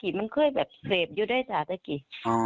แล้วมันเคยแบบเสพอยู่ด้วยค่ะตะกี้